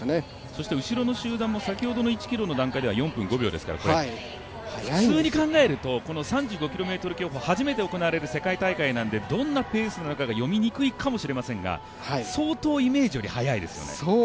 そして後ろの集団先ほどの１ｋｍの段階では４分５秒ですから普通に考えると３５ｋｍ競歩初めて行われる世界大会なんでどんなペースになるか読みにくいかもしれませんが相当イメージより速いですよね。